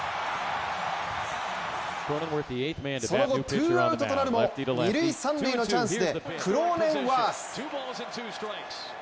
その後、ツーアウトとなるも二塁・三塁のチャンスでクローネンワース。